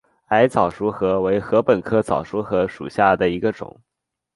矮早熟禾为禾本科早熟禾属下的一个种。